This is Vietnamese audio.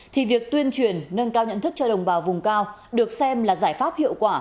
thì việc tuyên truyền nâng cao nhận thức cho đồng bào vùng cao được xem là giải pháp hiệu quả